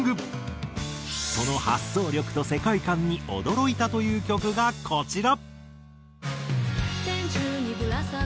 その発想力と世界観に驚いたという曲がこちら。